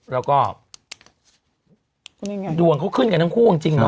แล้วก็ดวงเขาขึ้นกันทั้งคู่จริงเนอ